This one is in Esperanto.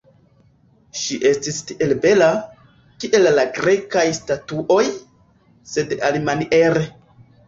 Ŝi estis tiel bela, kiel la Grekaj statuoj, sed alimaniere.